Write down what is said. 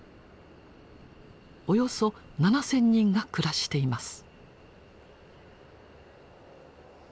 およそ７，０００人が暮らしています。